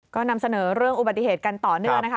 ก็นำเสนอเรื่องอุบัติเหตุกันต่อเนื่องนะคะ